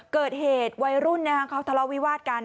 เกิดเหตุวัยรุ่นเขาทะเลาวิวาสกัน